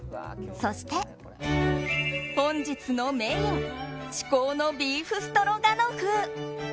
そして、本日のメイン至高のビーフストロガノフ。